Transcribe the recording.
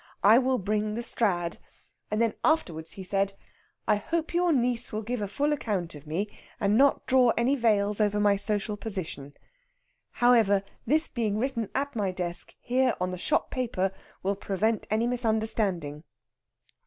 I will bring the Strad"; and then afterwards he said: "I hope your niece will give a full account of me, and not draw any veils over my social position. However, this being written at my desk here on the shop paper will prevent any misunderstanding."